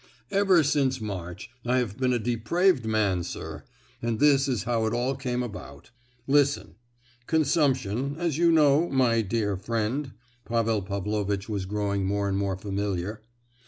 "Ever since March I have been a depraved man, sir, and this is how it all came about. Listen. Consumption, as you know, my dear friend" (Pavel Pavlovitch was growing more and more familiar!)